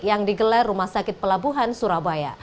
yang digelar rumah sakit pelabuhan surabaya